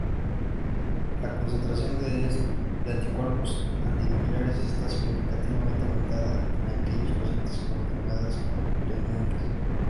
La concentración de anticuerpos antinucleares está significativamente aumentada en aquellos pacientes con enfermedades autoinmunes.